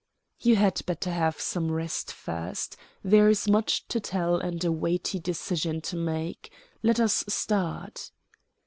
"You had better have some rest first. There is much to tell and a weighty decision to make. Let us start."